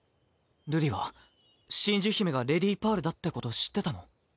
瑠璃は真珠姫がレディパールだってこと知ってたの？